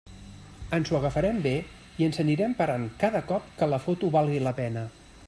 Ens ho agafarem bé i ens anirem parant cada cop que la foto valgui la pena.